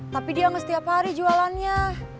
tapi dia ngesetia pari jualannya